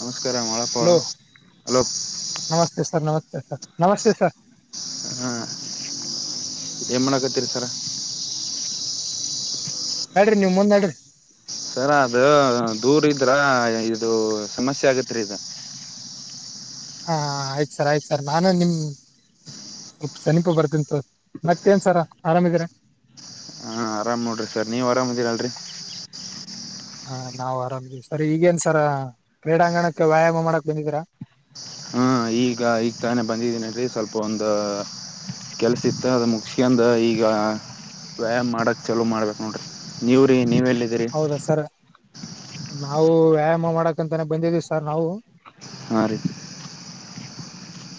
ನಮಸ್ಕಾರ ಅಳ ಹಲೋ ನಮಸ್ತೆ ಸರ್ ನಮಸ್ತೆ ಸರ್ ನಮಸ್ತೆ ಸರ್ ಹಾ ಏಮ ಮಾಡಕತ್ತೀರಿ ಸರ ನಡ್ರಿ ನಿಮ್ ಮುಂದ್ ನಡ್ರಿ ಸರ ಅದು ದೂರ ಇದ್ರ ಇದು ಸಮಸ್ಯೆ ಆಗತ್ರಿ ಇದದು ಹಾ ಆಯ್ತ್ ಸರ್ ಆಯ್ತ ಸರ್ ನಾನು ನಿಮ್ ಸ್ ಸನಿಪು ಬರ್ತಂತ ಮತ್ತೇನ್ ಸರ ಆರಾಮಿದ್ರ ಹಾಂ ಆರಾಮ್ ಮಾಡ್ರರಿ ಸರ್ ನೀ್ರಾಮ್್ದಿರಲ್ರಿ ಹಾ ನಾವ್ ಆರಾಮ್್ದಿವವಿ ಸರ್ ಈಗೇನ್ ಸರ ಕ್ರೀಡಾಂಗಣಕ್ಕೆ ವ್ಯಾಯಾಮ ಮಾಡಕ್ ಬಂದಿದೀರಾ ಹಾ ಈಗ ಈಗ ತಾನೇ ಬಂದಿದ್ದೀನಿಲ್ರಿ ಸ್ವಲ್ಪ ಒಂದ ಕೆಲ್ಸ ಇತ್ತ ಅದ ಮುಖ್ಯಂದ ಈಗ ವ್ಯಾಯಾಮ್ ಮಾಡಕ್ ಚಲೋ ಮಾಡ್ಬೇಕಕ್ ನೋಡ್ರಿ ನೀವ್ರೀ ನೀವ ಎಲ್ಲಿ ಹೌದಾ ಸರ್ ನಾವು ವ್ಯಾಯಾಮ ಮಾಡಕಂತಾನೆ ಬಂದಿದೀವಿ ಸರ್ ನಾವು ಹಾ ರೀ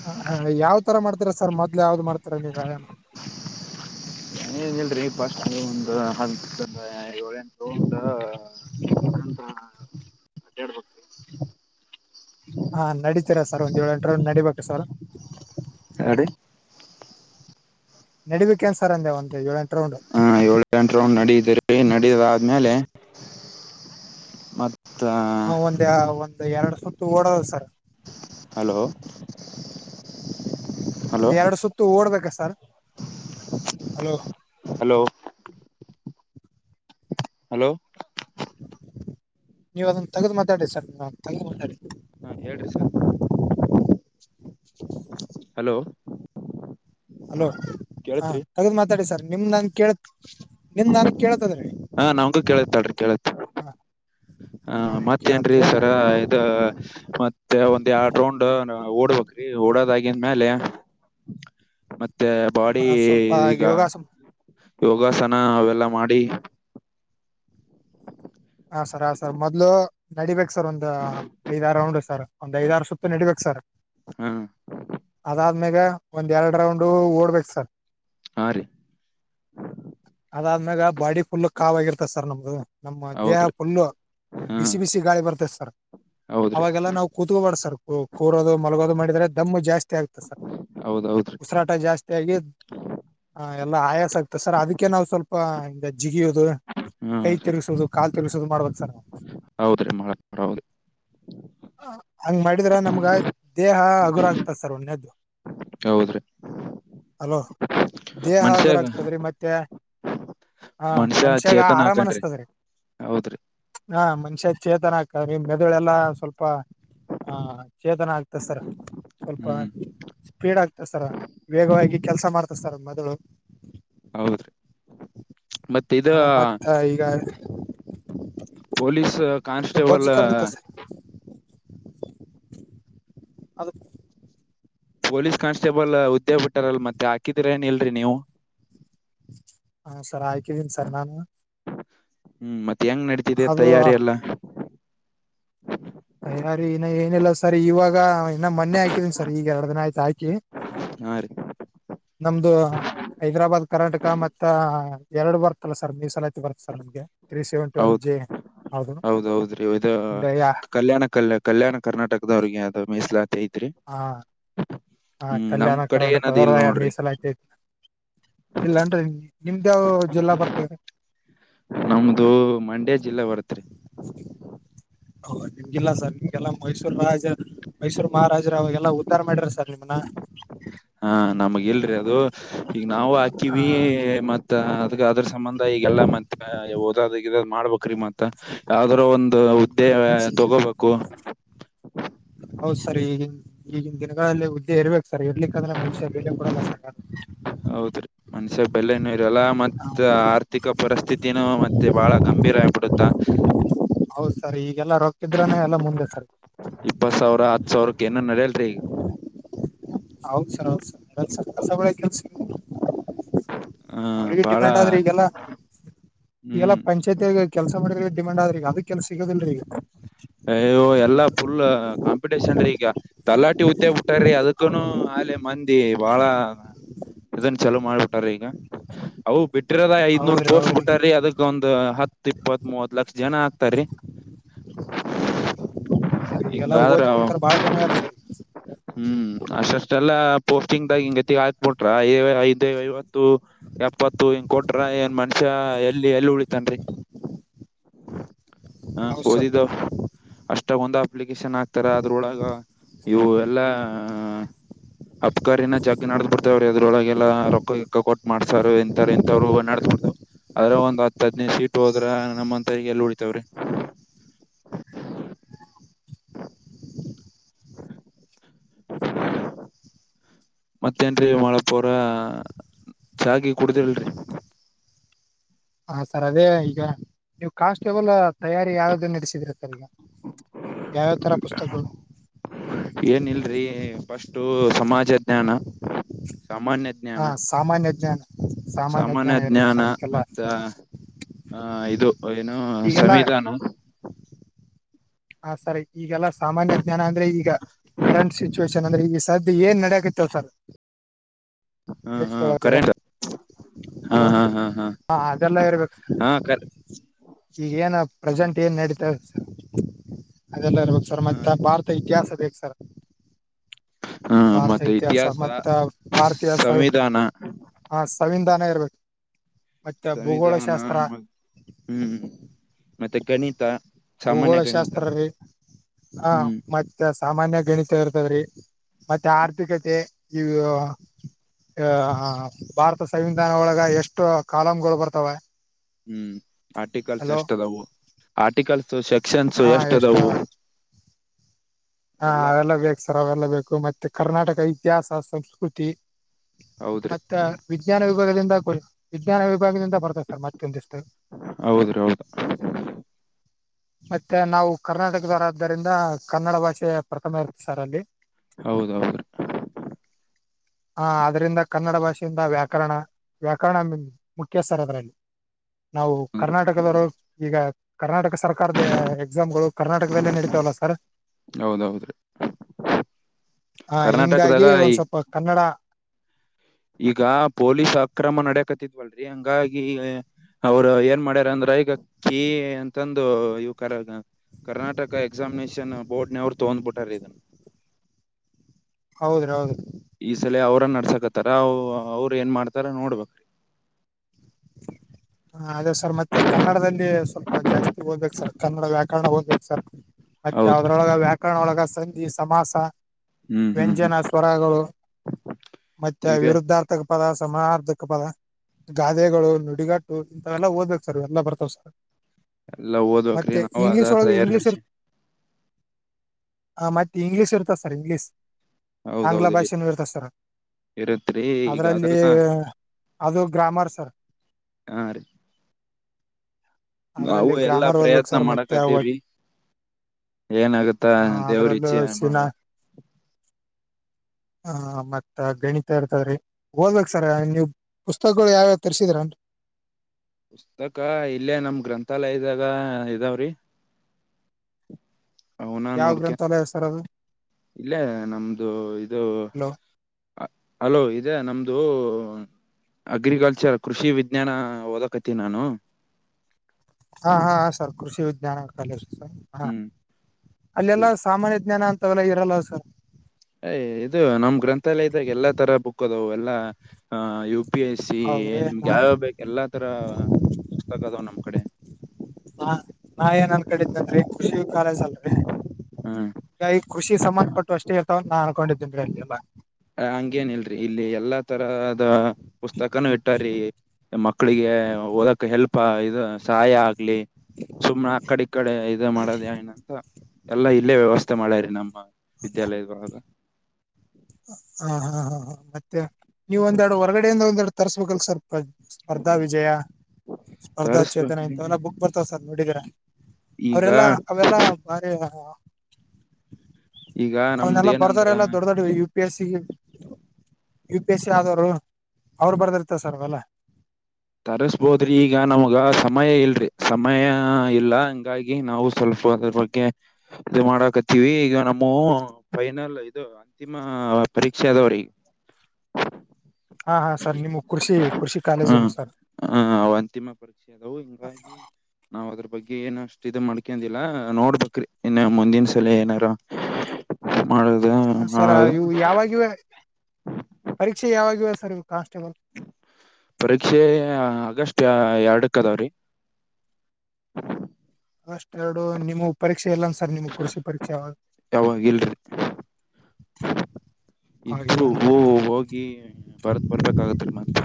ಹ ಹಾ ಯಾವ ತರ ಮಾಡ್ತರಾ ಸರ್ ಮದ್ಲು ಯಾವ್ದ್ ಮಾಡ್ತಾರಾ ನೀವುಯ ಏಲ್ರಿ ಸ್ಟ್ ಒಂದು ಹ ಏಳ ಎಂ [unintelligible] ಹಾ ನಡಿತೀರಾ ಸರ್ ಒಂದ್ ಏಳ್ ಎಂಟರ್ ನಡೀಬೇಕು ಸರ್ ಅ ನಡಡಿಬೇಕಿಕೇನ್ಸರ್ ಅಂದೆ ಒ ಏಂಟ ಹಾ ಏಳ ಎಂಟ ರೌಂಡ್ ನಡಿದರಿ ನಡೀದಾದ ಆದ್ಮೇಲೆ ಮತ್ತ ಹ ಮ ಒಂದ್ ಎರಡು ಸುತ್ತು ಓಡೋದು ಸರ್ ಹಲೋ ಹಲೋ ಒಂದ್ ಎರಡು ಸುತ್ತು ಓಡ್ಬೇಕ ಸರ್ ಹಲೋ ಹಲೋ ಹಲೋ ನೀವು ಅದನ್ನ ತಗ್ದ್ ಮಾತಾಡಿ ಸರ್ ತಗ್ದ್ ಮಾತಾಡಿ ಹಾ ಹೇಳ್ರಿ ಸರ್ ಹಲೋ ಹಲೋ ಹಾ ಕೇಳತ್ರಿ ಕಗದು್ ಮಾತಾಡಿ ಸರ್ ನಿಮ್ ನನ್ ಕೇಳತ್ ನಿಮ್ ನನ್ಗ್ ಕೇಳತದ್ರೀ ಹಾ ನಂಗೂ ಕೇಳತ್ ಅಡ್ರಿ ಕೇಳತ್ ಹ ಹ ಮತ್ತೇನ್ರೀ ಸರ ಇ ಮ ಮತ್ತೆ ಒಂದ್ ಯಡ್ ರೌಂಡ್ ಓಡ್ಬೇಕ್ರಿ ಓಡದಾಗಿಂದ ಮೇಲೆ ಮತ್ತೆ ಆ, ಬಾಡಿ ಸ್ವಲ್ಪ ಈಗ ಯೋಗಾಸ ಯೋಗಾಸನ ಅವೆಲ್ಲ ಮಾಡಿ ಹ ಸರ್ ಹ ಸರ್ ಮೊದ್ಲು ನಡಿಬೇಕೇಕ್ ಸರ್ ಒಂದ್ ಐದ ಆಾರ ರೌಂಡ್ ಸರ್ ಒಂದ್ ಐದಾರ ಸುತ್ತ ನಡಿಬೇಕಕ್ ಸರ್ ಹ್ಮ ಅದಾದ್ಮ್ಯಾಗ ಒಂದ್ ಎರಡ್ ರೌಂಡ್ ಓಡ್ಬೇಕು ಸರ್ ಹಾ ರೀ ಅದಾದ್ಮ್ಯಾಗ ಬಾಡಿ ಫುಲ್ ಕಾವ ಆಗರ್ತತೆ ಸರ್ ನಮ್ದಗ ನ ದೇಹ ಹೌದ್ರಿ ಫುಲ್ಲು ಹಾ ಬಿಸಿ ಬಿಸಿ ಗಾಳಿ ಬರ್ತದೆ ಸರ್ ಹೌದ್ರಿ ಅವಾಗೆಲ್ಲಾ ನಾವು ಕೂತ್ಕೋಬಾರಡ ಸರ್ ಕೂರೋದು ಮಲಗೋದು ಮಾಡಿದರೆೆ ದಮ್ಮು ಜಾಸ್ತಿ ಆಗತೆ ಸರ್ ನ ಹೌದ್ ಹೌದ್ರಿ ಉಸರಾ ಊಟ ಜಾಸ್ತಿ ಆಗ ಎಲ್ಲ ಆಯಾಸ ಆತ ಸರ್ ಅದಕ್ಕೆ ನಾವು ಸ್ವಲ್ಪ ಜಿಗಿಯೋುದು ಹಾ ಕೈ ರೀ ತರುಸೋುದು ಕಾಲು ತರ್ಸೋದು ಮಾಡ್ಬೇಕು ಸರ್ ನಾವು ಹೌದ್ರಿ ಮಾಡಕ್ ಮಾಡೌದು ಹಂಗ ಮಾಡಿದ್ರ ನಮ್ಗ ದೇಹ ಹಗುರ ಆಗ್ತದೆ ಸರ್ ಒ್ಣೆದ್ದು ಹೌದ್ರಿ ಅಲೋ ದೇಹ ಹಾಗುರ ಮನುಷ್ಯಾಗ ಆಗ್ತದ್ರೀ ಮತ್ತೆ ಹಾ ಮನುಷ್ಯ ಮನ್ಷ್ಯಾಗ ಚೇತನ ಆರಾಮ್ ಹಾಕನ್ರಿ ಅನಿಸ್ತದ್ರೀ ಹೌದ್ರಿ ಹಾ ಮನುಷ್ಯ ಚೇತನ ಆಗ್ತದೆ ಮೆದುಳೆಲ್ಲಾ ಸ್ವಲ್ಪ ಆ ಚೇತನ ಆಗ್ತ ದಸರಾ ಸ್ವಲ್ಪ ಹ್ಮ್ ಸ್ಪೀಡ್ ಆಗ್ತದೆ ಸರ ವೇಗವಾಗಿ ಕೆಲ್ಸ ಮಾಡ್ತ ಸರ್ ಮೊದಲು ಹೌದ್ರಿ ಮತ್ತ ಇದ ಸ ಈಗ ಪಲೀಸ್ ನಿಮ್ದು ಕಾನ್ಸ್ಟೇಬಲ್ ಬೊಜ್ಜು ಕರ್ಗತ್ತ ಸರ್ ಅದು ಪೊಲೀಸ್ ಕಾನ್ಸ್ಟೇಬಲ್ ಹದ್ದೆ ಬಿಟ್ಟಾರಲ್ ಮತ್ತೆ ಹಾಕಿದ್ರ ಏನ ಇಲ್ರರಿ ನೀವು ಹಾ ಸರ್ ಆಯ್ಕಿದ್ದೀನಿ ಸರ್ ನಾನು ಹ್ಮ್ ಮತ್ತೆ ಹೆಂಗ ನಡತಿದೆ ಅದು ತಯಾರಿ ಎಲ್ಲ ಅಯ್ಯಾರಿೀ ಇನ್ನ ಏನಿಲ್ಲ ಸರ್ ಇವಾಗ ಇನ್ನಾ ಮನೆೆ ಹಾಕಿದೀನಿ ಸರ್ ಈಗ ಎರಡು ದಿನ ಆಯ್ತು ಹಾಕಿ ಹಾ ರೀ ನಮ್ದು ಹೈದ್ರಾಬಾದ್ ಕರ್ನಾಟಕ ಮತ್ತ ಎರಡು ಬರ್ತಲ್ಲ ಸರ್ ನೀ್ಸಲತಿ ಬರ್ತ್ತ ಸರ್ ನಮ್ಗೆ ತ್ರೀ ಸೆವೆಂಟಿ ಒನ್ ಹೌದ ಜೆ ಹೌದು ಹೌದ್ೌದ್ರಿ ಯಾ ಕಲ್ಯಾಣ ಕಲ್ಯ ಕಲ್ಯಾಣ ಕರ್ನಾಟಕದವ್ರಿಗೆ ಅದು ಮೀಸಲಾತಿ ಐತ್ರಿ ಹಾ ಹ ಹ್ಮ್ ನಮ್ ಕಲ್ಯಾಣ ಕಡೆ ಕಂಡ ಏನದ ಇಲ್ ನೋಡ್ರಿ ಮೀಸಲ ಆಐ್ತ ಇಲ್ಲನ್ರಿ ನಿ ನಿಮ್ದೇಾವ್ ಜಿಲ್ಲಾ ಬರ್ತದ ಹ ನ ಮಂಡ್ಯ ಜಿಲ್ಲೆ ಬರ್ತ್ರಿ ಹೌ ನಿಮ್ಗೆಿಲ್ಲ ಸರ್ ನಿಮ್ಗೆಲ್ಲ ಮೈಸೂರು ರಾಜ ಮೈಸೂರು ಮಹಾರಾಜರ ಅವಾಗೆಲ್ಲಾ ನಿಾರ ಮಾಡಿ್ರ ಸರ್ ನಿಮ್ನ ಹಾ ನಮಗ ಇಲ್ರಿ ಅದು ಈಗ ನಾವು ಆ ಹಾಕಿವವಿ ಮತ್ ಮ ಅದ ಅದ್ರ ಸಂಬಂಧ ಈಗೆಲ್ಲ ಮ ಓದ ಮಾಡ್ಬ್ರೀ ಮತ್ತ ಯ್ರ ಒಂದ ಉದ್ದೆ ತಗೋಬೇಕು ಹೌದ್ ಸರ್ ಈಗನ್ ಈಗಿನ ದಿನಗಳಲ್ಲಿ ಹುದ್ದೆ ಇರ್ಬೇಕೇಕ್ ಸರ್ ಇಡ್ಲಿಕ್ಕಂದ್ರೆ ಮನುಷ್ಯ ಬೇಟ ಕೊಡಲ್ಲ ಸರ್ ಹೌದೀ ಮನುಷ್ಯ ಬೆಲೆಏನೂ ಇರಲ್ಲ ಮತ್ ಆರ್ಥಿಕ ಪರಿಸ್ಥಿತಿನನು ಮತ್ತೆ ಬಹಳ ಗಂಭೀರ ಆಗ್ಬಿಡುತ್ತಾ ಹೌದ್ ಸರ್ ಈಗೆಲ್ಲ ರೋಗ್ತಿದ್ರನೆ ಎಲ್ಲಾ ಮುಂದೆ ಸರ್ ಇಪ್ಪತ್ ಸಾವಿರ ಹತ್ ಸಾವಿರಕ್ಕೆ ಏನ ನಡೆಯಲ್ರಿ ಈಗ ಹೌದು ಸರ್ ಹೌದು ಸರ್ಲ್ಸ ಸಸ ಕೆಲ್ಸ ಆ ಅವ್ರಿಗೆ ಬಾಳ ಡಿಮ್ಯಾಂಡ್ ಆದ್ರೆ ಈಗೆಲ್ಲ ಈಗೆಲ್ಲಾ ಹ್ಮ್ ಪಂಚಾಯತಿ ಕೆಲಸ ಮಾಡಿದ್ರ ಡಿಮ್ಯಾಂಡ್ ಆದ್ರ ಈಗ ಅದಕ್ಕೆ ಕೆಸ ಸಿಗೋದಲ್ರಿ ಈಗ ಅಯ್ಯೋ ಎಲ್ಲಾ ಫುಲ್ ಕಾಂಪಿಟೇಷನ್ ರೀ ಈಗ ತಲಾಟಿ ಹುದ್ದೆ ಬಿಟ್ಟಾರಿ ಅದಕ್ಕನು ಆಲೆ ಮಂದಿ ಬಾಳ ಇದನ್ ಚಲೋ ಮಾಡ್ಬಿಟ್ರೀ ಈಗ ಅವು ಬಿಟ್ಟಿರೋದ ಐದ್ನೂರ್ ಹೌದ್ರಿ ಪೋಸ್ಟ್ ಹೌದ್ರಿ ಬಿಟ್ಟಾರಿ ಅದಕ್ಕ ಒಂದು ಹತ್ತು ಇಪ್ಪತ್ ಮೂವತ್ ಲಕ್ಷ ಜನ ಆಗ್ತಾರೀ ಎಲ್ಲ ಹಿಂಗಾದ್ರ ಓದ್ ಕುಂತಾರ ಬಾಳ ಜನ ಯಾರ ಸರಿ ಹ್ಮ್ ಅಷ್ಟಷ್ಟೆಲ್ಲ ಪೋಸ್ಟಿಂಗ್ ಗ ಗತಿ ಆಯತ್ಬಿಟ್ರ ಐದ ಐವತ್ತು ಎಪ್ಪತ್ತು ಹಂಗ ಕೊಟ್ರ ಏನ್ ಮನುಷ್ಯ ಎಲ್ಲಿ ಎಲ್ಲಿ ಉಳಿತನ್ರಿ ಹ ಹಾ ದಿದ್ದ ಅಷ್ಟಾಗ ಒಂದು್ ಅಪ್ಲಿಕೇಶನ್ ಆಕ್ತಾರ ಅದ್ರೊಳಗ ಇವು ಎಲ್ಲಾ ಅಬ್ಕಾರಿಿನ ಜಗ್ಿ ನಡ್ದ್ ಬಿಿಡ್ತಾವ್ರೀ ಅದ್ರೊಳಗೆಲ್ಲ ರೊಕ್ಕಕ್ಕ ಕೊಟ್ಟು ಮಾಡ್ಸಾರ ಎಂತಾರೆ ಎಂತವ್ರು ನಡದ್ಬಿಡ್ತವ್ ಆದದ್ರ ಒ್ ಹದಿನನ ಸೀಟ್ ಹೋದ್ರ ನಮ್ಮ್ ಅಂತರಿಗೆ ಎಲ್ಲಿ ಉಡಿತೇವ್ರಿ ಹಾ ಹೂ ಮತ್ತೇನ್ರಿ ಮಳಪರ ಚಕ ಕುಡ್ದಲ್ರರಿ ಹಾ ಸರ್ ಅದೇ ಈಗ ನೀವು ಕಾನ್ಸ್ಟೇಬಲ್ ತಯಾರಿ ಯಾವ್ದೇ ನಡೆಸಿದಿರುತ್ತಾರೆ ಈಗ ಯಾವ್ಯಾವ ತರ ಪುಸ್ತಕಗಳು ಏನಿಲ್ರಿ ಫಸ್ಟು ಸಮಾಜ ಜ್ಞಾನ, ಸಾಮಾನ್ಯ ಹಾ ಜ್ಞಾನ. ಸಾಮಾನ್ಯ ಜ್ಞಾನ. ಸಾಮಾನ್ಯ ಇರ್ಬೇಕು ಜ್ಞಾನ ಸರ್ ಅದಕ್ಕೆಲ್ಲ ಮತ್ತ. ಹಾ ಇದು ಏನು ಈಗೆಲ್ಲಾ ಸಂವಿಧಾನ. ಹಾ ಸರಿ ಈಗೆಲ್ಲ ಸಾಮಾನ್ಯ ಜ್ಞಾನ ಅಂದ್ರೆ ಈಗ ಕರೆಂಟ್ ಸಿಚುವೇಶನ್. ಈಗ ಸದ್ಯ ಏನ್ ನೆಡಿಯಕತದ ಹ ಹ ಕರೆಂಟ್ [unintelligible] ಹಾ ಹಲೋ ಹಾ ಹಾ ಹಾ ಅದೆಲ್ಲ ಇರ್ಬೇಕುರೀ. ಹಾ ಕ. ಈಗ ಏನ ಪ್ರೆಸೆಂಟ್ ಏನ್ ನಡೀತದೆ. ಅದೆಲ್ಲಾ ಇರ್ಬೇಕು ಸರ್ ಹಾ ಮತ್ತ ರೀ ಭಾರತದ ಇತಿಹಾಸ ಬೇಕ್ ಸರ್ ಹಾ ಭಾರತ ಮತ್ತೆ ಇತಿಹಾಸ ಮತ್ತ ಭಾರತಿಯಸ. ಸಂವಿಧಾನ ಹ ಸಂವಿಧಾನ ಇರ್ಬೇಕು ಮತ್ತೆ ಸಂವಿಧಾನ ಭೂಗೋಳಶಾಸ್ತ್ರ. ಹ್ಮ್ ಮತ್ತೆ ಗಣಿತ ಸಾಮಾನ್ಯ ಭೂಗೋಳ ಗಣಿತ ಶಾಸ್ತ್ರರೀ ಹಾ ಹ್ಮ್ ಮತ್ತ. ಮತ್ತೆ ಸಾಮಾನ್ಯ ಗಣಿತ ಇರ್ತದ್ರಿ ಮತ್ತೆ ಆರ್ಥಿಕತೆ ಇವು. ಆ ಭಾರತ ಸಂವಿಧಾನ ಒಳಗ ಎಷ್ಟು ಕಾಲೂಮ್ಗಳು ಬರ್ತಾವೇ. ಹ್ಮ್ ಆರ್ಟಿಕಲ್ಸ್ ಎಷ್ಟು ಅದವು ಆರ್ಟಿಕಲ್ಸ್. ಸೆಕ್ಷನ್ ಹಾ ಎಷ್ಟು ಎಷ್ಟ ಅದವು. ಹಾ ಅವೆಲ್ಲ ಬೇಕು ಸರ್ ಅವೆಲ್ಲ ಬೇಕು ಮತ್ತೆ ಕರ್ನಾಟಕ ಇತಿಹಾಸ ಸಂಸ್ಕೃತಿ. ಹೌದ್ರಿ. ಮತ್ತ ವಿಜ್ಞಾನ ವಿಭಾಗದಿಂದ ವಿಜ್ಞಾನ ವಿಭಾಗದಿಂದ ಬರ್ತದೆ ಸರ್ ಮತ್ತೊಂದಿಷ್ಟು. ಹೌದ್ರಿ ಹೌದು ಮತ್ತೆ ನಾವು ಕರ್ನಾಟಕದವರಾದ್ದರಿಂದ ಕನ್ನಡ ಭಾಷೆ ಪ್ರಥಮ ಇರ್ತ ಸರ್ ಅಲ್ಲಿ. ಹೌದ್ ಹೌದ್ರಿ. ಹಾ ಆದ್ದರಿಂದ ಕನ್ನಡ ಭಾಷೆಯಿಂದ ವ್ಯಾಕರಣ. ವ್ಯಾಕರಣ ಮುಖ್ಯ ಸರ್ ಅದರಲ್ಲಿ ನಾವು ಕರ್ನಾಟಕದವರು ಈಗ ಕರ್ನಾಟಕ ಸರ್ಕಾರ. ಸರ್ಕಾರದ ಎಕ್ಸಾಮ್ಗಳು ಕರ್ನಾಟಕದಲ್ಲೇ ನೆಡಿತವಲ್ಲ ಸರ್. ಹೌದೌದ್ರೀ. ಹಾ ಕರ್ನಾಟಕದಾಗ ಹಿಂಗಾಗಿ ಈ ಒಂದ್ ಸ್ವಲ್ಪ ಕನ್ನಡ. ಈಗ ಪೊಲೀಸ್ ಅಕ್ರಮ ನಡಕತ್ತಿದ್ವಲ್ರರಿ ಹಂಗಾಗಿ. ಅವರು ಏನ್ ಮಾಡ್ಯಾರ ಅಂದ್ರ ಈಗ ಕೀ ಅಂತಂದು ಯುವಕರಾಗ. ಕರ್ನಾಟಕ ಎಕ್ಸಾಮಿನೇಷನ್ ಬೋರ್ಡ್ನ ಅವ್ರು ತೊಗೊಂಡ್ಬಿಟಾರ ಇದನ್ನು. ಹೌದ್ರ ಹೌದ್ರಿ. ಈಸಲ ಅವ್ರ ನಡ್ಸಕತ್ತಾರ ಅವ್ರು ಏನ್ ಮಾಡ್ತಾರ ನೋಡ್ಬೇಕು. ಹಾ ಅದೇ ಸರ್ ಮತ್ತೆ ಕನ್ನಡದಲ್ಲಿ ಸ್ವಲ್ಪ ಜಾಸ್ತಿ ಓದಬೇಕು ಸರ್ ಕನ್ನಡ ವ್ಯಾಕರಣ ಓದಬೇಕು ಸರ್. ಮತ್ತೆ ಹೌದ್ರಿ ಅದ್ರೊಳಗ ವ್ಯಾಕರಣ ಒಳಗ ಸಂಧಿ ಸಮಾಸ. ಹ್ಮ್ ಹ್ಮ್ ಹ್ಮ್ ವ್ಯಂಜನ, ಸ್ವರಗಳು ಮತ್ತೆ ಇವೆ ವಿರುದ್ಧಾರ್ಥ ಪದ ಸಮಾರಧಕ ಪದ ಗಾದೆಗಳು ನುಡಿಗಟ್ಟ. ಇಂಥವೆಲ್ಲಾ ಓದ್ಬೇಕು ಸರ್ ಎಲ್ಲ ಬರ್ತಾವ್ ಸರ್ ಎಲ್ಲಾ ಓದ್ಬೇಕ್ರಿ ಮತ್ತೆ ನಾವು ಅದ ಇಂಗ್ಲಿಷ್ ಒಳಗೆ ತಯಾರಿ ಇಂಗ್ಲೀಷ್ ಇರ್.. ನಡ್ಸಿ ಹಾ ಮತ್ತೆ ಇಂಗ್ಲಷ ಇರ್ತದೆ ಸರ್ ಇಂಗ್ಲಷ್. ಆಂಗ್ಲ ಹೌದೌದ್ರಿ ಭಾಷೆನು ಇರ್ತಾದ್ದೆ ಸರ್. ಇರತ್ರಿ ಈಗ ಅದ್ರಲ್ಲಿ ಅದೆಲ್ಲಾ ಅದು ಗ್ರಾಮರ್ ಸರ್. ಹಾ ರೀ. ನಾವು ಅದರಲ್ಲಿ ಎಲ್ಲಾ ಗ್ರಾಮರ್ ಓದ್ಬೇಕ ಪ್ರಯತ್ನ ಸರ್ ಮತ್ತೆ. ಮಾಡಕತ್ತೀವ್ರಿ ಏನಾಗತ್ತ ಹ ದೇವ್ರ ಅದ್ರಲ್ಲೂ ಇಚ್ಛೆ ಮಾಡ್ಬೇಕ [unintelligible] ಹ ಮತ್ತ ಗಣಿತ ಇರ್ತವ್ರೀ. ಓದ್ಬೇಕ್ ಸರ ನೀವು ಪುಸ್ತಕಗಳು ಯಾವ್ಯಾವ ತರ್ಸಿದ್ರರ ಅನ್ ಪುಸ್ತಕ ಇಲ್ಲೇ ನಮ್ ಗ್ರಂಥಾಲಯದಾಗ ಇದಾವ್ರಿ. ಅವನ ಯಾವ್ ನೋಡ್ಕ ಗ್ರಂಥಾಲಯ ಸರ್ ಅದು? ಇಲ್ಲೇ ನಮ್ದು ಇದು ಹಲೋ ಹಲೋ ಇದೆ ನಮ್ದು ಅಗ್ರಿಕಲ್ಚರ್ ಕೃಷಿ ವಿಜ್ಞಾನ ಓದಕತಿ ನಾನು. ಹಾ ಹಾ ಸರ್ ಕೃಷಿ ವಿಜ್ಞಾನ ಕಾಲೇಜು ಸರ್ ಹ ಹ್ಮ್ ಅಲ್ಲೆಲ್ಲಾ ಸಾಮಾನ್ಯ ಜ್ಞಾನ ಅಂತ್ [unintelligible] ಇರಲ್ಲ ಸರ್. ಅಯ್ ಇದು ನಮ್ ಗ್ರಂಥಾಲಯದಾಗ ಎಲ್ಲಾ ತರ ಬುಕ್ ಅದವು ಎಲ್ಲಾ ಅ [unintelligible] ಪಿ ಎಸ್ ಸಿ ಹೌದ್ರಿ ನಿಮ್ಗೆ ನಾ ಯಾವ್ಯಾವ ಬೇಕ್ ಎಲ್ಲಾ ತರ ಪುಸ್ತಕ ಅದಾವ ನಮ್ ಕಡೆ. ಹಾ ನಾ ಏನ್ ಅಂದ್ಕೊಂಡ್ ಇದನ ಅಂದ್ರೆ ಕೃಷಿ ಹ್ಮ್ [unintelligible] ಈ ಕೃಷಿ ಸಂಬಂಧಪಟ್ಟು ಅಷ್ಟೇ ಇರ್ತಾವ ನಾನ್ ಅನ್ಕೊಂಡಿದ್ದೇನ್ ರೀ ಅಲ್ಲಿ ಎಲ್ಲ ಆ ಹಂಗೇನಿಲ್ರಿ ಇಲ್ಲಿ ಎಲ್ಲಾ ತರದ ಪುಸ್ತಕನು ಇಟ್ಟಾರ್ರಿ ಮಕ್ಕಳಿಗೆ ಓದಕ್ ಹೆಲ್ಪ ಇದು ಸಹಾಯ ಆಗ್ಲಿ ಸುಮ್ನೆ ಆ ಕಡೆ ಈ ಕಡೆ ಇದ ಮಾಡೋದ ಏನಂತ ಎಲ್ಲಾ ಇಲ್ಲೇ ವ್ಯವಸ್ ಸ್ಥೆ ಮಾಡ್ಯರಿ ನಮ್ಮ ವಿದ್ಯಾಲಯದೊಳಗ. ಹಾ ಹಾ ಹಾ ಹಾ ಮತ್ತೆ ನೀವ್ ಒಂದೆರಡು ಹೊರಗಡೆ ಇಂದ ಒಂದೆರಡು ತರ್ಬೇಕಲ್ಲ ಸ್ವಲ್ಪ ಸ್ಪರ್ಧಾ ವಿಜಯ ಸ್ಪರ್ಧಾ ಚೇತನ ತರಸ್ಬೇಕ್ರಿ ಇಂತವೆಲ್ಲ ಬುಕ್ ಬರ್ತಾವ ಸರ್ ನೋಡಿದಿರಾ? ಈಗ ಅವರೆಲ್ಲ ಅವೆಲ್ಲಾ ಬಾರಿ ಹಾ ಈಗ ನಮ್ದ ಅವನ್ನೆಲ್ಲಾ ಬರ್ದವರ್ ಏನಂದ್ರ ಎಲ್ಲಾ ದೊಡ್ ದೊಡ್ U P S C U P S C ಆದವರು ಅವರು ಬರ್ದ್ ಇರ್ತಾರ್ ಸರ್ ಅವೆಲ್ಲ. ತರಿಸಬೋದ್ರಿ [unintelligible] ಈಗ ನಮಗ ಸಮಯ ಇಲ್ರಿ ಸಮಯ ಇಲ್ಲ ಹಂಗಾಗಿ ನಾವು ಸ್ವಲ್ಪ ಅದ್ರ ಬಗ್ಗೆ ಇದು ಮಾಡಾಕತ್ತೀವಿ ಈಗ [unintelligible] ಫೈನಲ್ ಇದು ಅಂತಿಮ ಪರೀಕ್ಷೆ ಅದವ್ರಿ. ಹಾ ಹಾ ಸರ್ ನಿಮ್ಮ ಕೃಷಿ ಕೃಷಿ ಹ್ಮ್ ಕಾಲೇಜನ್ ಸರ್. ಹ ಅವು ಅಂತಿಮ ಪರೀಕ್ಷೆ ಅದವು ಹಿಂಗಾಗಿ ನಾವ್ ಅದ್ರ ಬಗ್ಗೆ ಏನ ಅಷ್ಟ ಇದ ಮಾಡ್ಕಂದಿಲ್ಲ ನೋಡ್ಬೇಕ್ರಿ ಇನ್ನ ಮುಂದಿನ ಸಲ ಏನಾರ? ಮಾಡೊದ? ಹ ಸರ್ ಇವು ಯಾವಾಗಿವೆ ಪರೀಕ್ಷೆ ಯಾವಾಗಿವೆ ಸರ್ ಇ ಕಾನ್ಸ್ಟೇಬಲ್? ಪರೀಕ್ಷೆ ಆಗಸ್ಟ ಎರಡಕ್ಕದಾವ್ರೀ. ಆಗಸ್ಟ ಎರಡು ನಿಮ್ ಪರೀಕ್ಷೆ ಇಲ್ಲಾನ್ ಸರ್ ನಿಮ್ ಕೃಷಿ ಪರೀಕ್ಷೆ ಯಾವಾಗ? ಯಾವಾಗ ಇಲ್ರಿ. [inaudible] ಇದ್ರು ಅಂದ್ರೆ [unintelligible] ಹೋಗಿ ಬರದ್ ಬರ್ಬೇಕಾಗತ್ತರಿ ಮತ್ತೆ.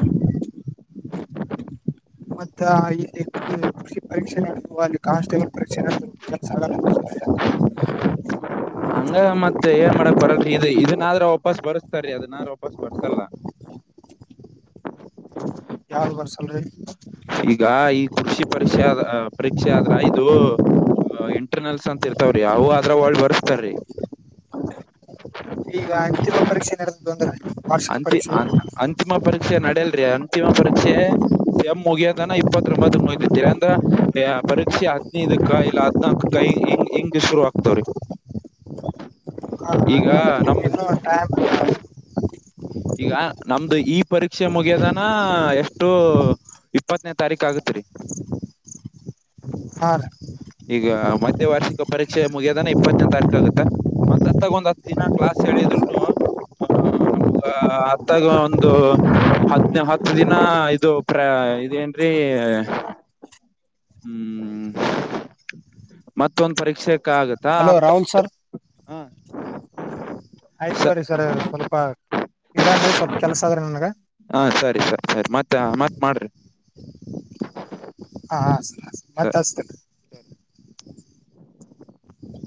ಮತ್ತ ಇ [unintelligible] ಕೃಷಿ ಪರೀಕ್ಷೆ [unintelligible] ಕಾನ್ಸ್ಟೇಬಲ್ ಪರೀಕ್ಷೆನ [unintelligible] ಆಗಲ್ಲ ಹಂಗ ಮತ್ತೆ ಏನ್ ಮಾಡಾಕ್ ಬರಲ್ರರಿ ಇದು ಇದನಾದ್ರ ವಾಪಸ್ ಬರ್ಸ್ತಾರೀ ಅದನಾದ್ರೂ ವಾಪಸ್ ಬ [unintelligible] ಯಾವ [unintelligible] ರೀ? ಈಗ ಈ ಕೃಷಿ ಪರೀಕ್ಷೆ ಪರೀಕ್ಷೆ ಆದ್ರ ಇದು ಇಂಟರ್ನಲ್ಸ್ ಅಂತ ಇರ್ತಾವ್ರೀ ಅವು ಅದ್ರ ಒಲ್ಡ್ ಬರ್ಸ್ತಾರ್ರೀ ಈಗ ಅಂತಿಮ ಪರೀಕ್ಷೆ [unintelligible] ಬಂದ್ರೆ ವಾರ್ಷಿಕ ಅಂತಿ ಪರೀಕ್ಷೆ ಅಂತಿಮ ಪರೀಕ್ಷೆ ನಡೆಯಲ್ರಿ ಅಂತಿಮ ಪರೀಕ್ಷೆ ಎಂ ಮುಗಿಯೋದನ ಇಪ್ಪತ್ತೊಂಬತ್ತ ಮುಗಿದೀರಿ ಅಂದ್ರೆ ಪರೀಕ್ಷೆ ಹದಿನೈದಕ್ಕ ಇಲ್ಲ ಕೈ ಹಿಂಗ್ ಹಿಂಗ್ ಶುರು ಆಗ್ತವ್ರಿ ಹಂದ್ರೆ ನಿಮ್ಗೆ ನಮ್ದ ಇನ್ನ ಟೈಮ್ ಈಗ ನಮ್ದು ಈ ಪರೀಕ್ಷೆ ಮುಗಿಯದಾನ ಎಷ್ಟು ಇಪ್ಪತ್ತನೇ ತಾರೀಕ ಆಗತ್ರಿ ಹ ರ ಈಗ ಮಧ್ಯ ವಾರ್ಷಿಕ ಪರೀಕ್ಷೆ ಮುಗಿಯೋದನ ಇಪ್ಪತ್ತನೇ ತಾರೀಕು ಆಗುತ್ತಾ ಮತ್ತತ್ ಹತ್ತಗ್ ಒಂದ್ ಹತ್ ದಿನ ಕ್ಲಾಸ್ ಹೇಳಿದ್ರುನು ಆಹ ಅತ್ತಾಗ ಒಂದು ಹತ್ ಹತ್ತು ದಿನ ಇದು ಪ್ರ ಇದೇ ರೀ [inaudible] ಹ್ಮ್ ಮತ್ತೊಂದ ಪರೀಕ್ಷೆಕ್ಕ ಆಗತ್ತೆ ಹಲೋ ರಾಹುಲ್ ಸರ್ ಹಾ ಹಾ ಆಯ್ತ್ರಿ ಸರ್ ಸ್ವಲ್ಪ ಇಡನ್್ರಿ ಸ್ವಲ್ಪ ಕೆಲಸ ಆದದ್ರೆ ಹಾ ಸರಿ ಸರ್ ಸರಿ ಮತ್ತ ಮತ್ ಮಾಡ್ರಿ ಹಾಂ ಹಾಂ ಸರ್ ಹ ಮತ್ತ ಅಷ್ಟತ ಸರಿ